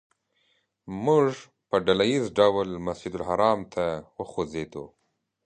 موږ په ډله ییز ډول مسجدالحرام ته وخوځېدو.